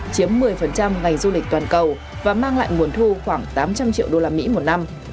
chiếm một mươi ngành du lịch toàn cầu và mang lại nguồn thu khoảng tám trăm linh triệu usd một năm